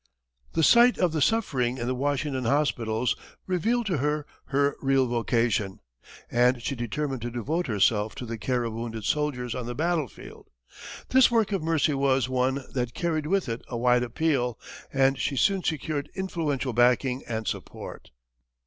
The sight of the suffering in the Washington hospitals revealed to her her real vocation, and she determined to devote herself to the care of wounded soldiers on the battlefield. This work of mercy was one that carried with it a wide appeal, and she soon secured influential backing and support.